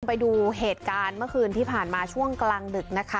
ไปดูเหตุการณ์เมื่อคืนที่ผ่านมาช่วงกลางดึกนะคะ